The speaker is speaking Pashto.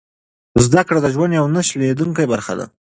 زده کړه د ژوند یوه نه شلېدونکې برخه ده.